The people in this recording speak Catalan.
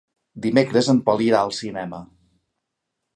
Dimecres en Pol irà al cinema.